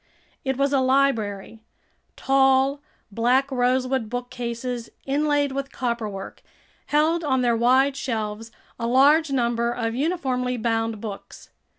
It was a library. Tall, black rosewood bookcases, inlaid with copperwork, held on their wide shelves a large number of uniformly bound books.